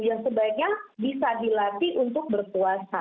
yang sebaiknya bisa dilatih untuk berpuasa